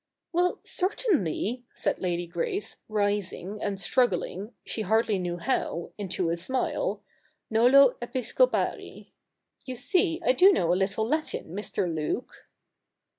'Well, certainly,' said Lady Grace, rising, and struggling, she hardly knew how, into a smile, ' nolo episcopari. You see I do know a little Latin, Mr. Luke.'